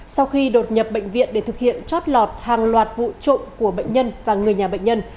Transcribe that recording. sau khi đột nhập bệnh viện để thực hiện chót lọt hàng loạt vụ trộm của bệnh nhân và người nhà bệnh nhân